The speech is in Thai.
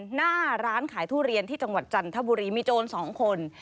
หน้าร้านขายทุเรียนที่จังหวัดจันทบุรีมีโจรสองคน